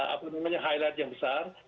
apa namanya highlight yang besar